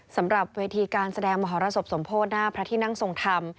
สำหรับเวทีการแสดงมหรสบสมโพธิหน้าพระที่นั่งทรงธรรม